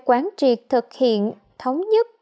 quán triệt thực hiện thống nhất